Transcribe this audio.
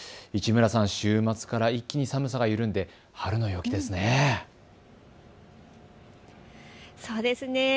市村さん週末から一気に寒さが緩んで春の陽気ですね。